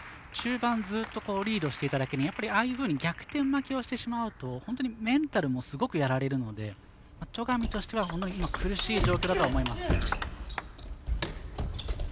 中盤、ずっとリードしていただけにああいうふうに逆転負けをしてしまうと本当にメンタルもすごくやられるので戸上としては、苦しい状況だとは思います。